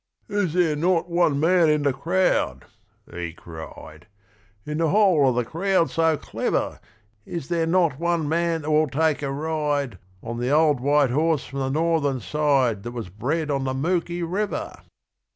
'Is there not one man in the crowd,' he cried, 'In the whole of the crowd so clever, Is there not one man that will take a ride On the old white horse from the Northern side That was bred on the Mooki River?'